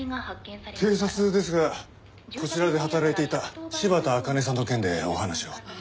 警察ですがこちらで働いていた柴田茜さんの件でお話を。